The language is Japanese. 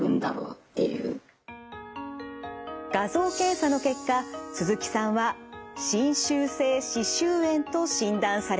画像検査の結果鈴木さんは侵襲性歯周炎と診断されました。